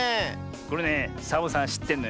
これねサボさんしってんのよ。